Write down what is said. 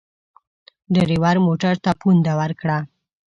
ډریور موټر ته پونده ورکړه.